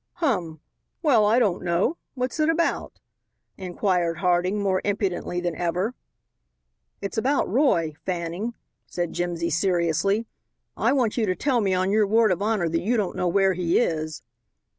"Hum, well I don't know. What's it about?" inquired Harding more impudently than ever. "It's about Roy, Fanning," said Jimsy seriously. "I want you to tell me on your word of honor that you don't know where he is."